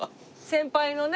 先輩のね。